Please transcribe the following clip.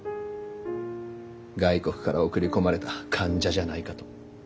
外国から送り込まれた間者じゃないかと。